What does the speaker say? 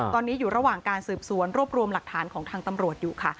ตอนนี้อยู่ระหว่างการสืบสวนรวบรวมหลักฐานของทางตำรวจอยู่ค่ะ